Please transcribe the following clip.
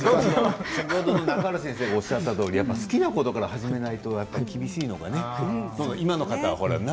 先ほどの中原先生がおっしゃったように好きなことから始めないと厳しいのかな？